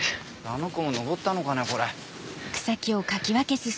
あの子も登ったのかねこれ。